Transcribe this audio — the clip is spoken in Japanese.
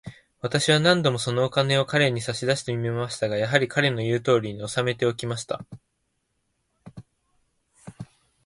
私は何度も、そのお金を彼に差し出してみましたが、やはり、彼の言うとおりに、おさめておきました。